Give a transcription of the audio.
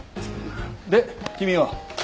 で君は？